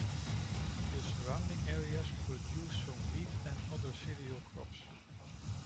The surrounding areas produce some wheat and other cereal crops.